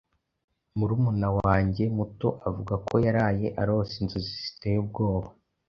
Murumuna wanjye muto avuga ko yaraye arose inzozi ziteye ubwoba.